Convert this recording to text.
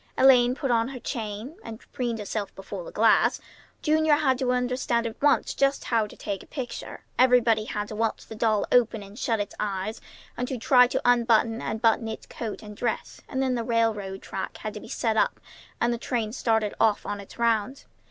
Elaine put on her chain, and preened herself before the glass; Junior had to understand at once just how to take a picture; everybody had to watch the doll open and shut its eyes, and to try to unbutton and button its coat and dress; and then the railroad track had to be set up and the train started off on its rounds.